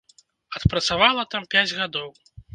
Адпрацавала там пяць гадоў.